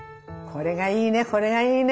これがいいね。